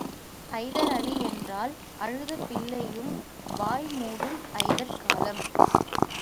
ஐதர் அலி என்றால் அழுத பிள்ளையும் வாய் மூடும் ஐதர் காலம்.